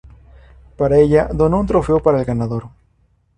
Para ella, donó un trofeo para el ganador.